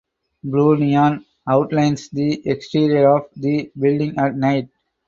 Blue neon outlines the exterior of the building at night.